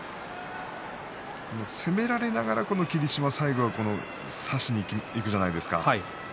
攻められながら霧島は最後は差しにいくじゃないですか。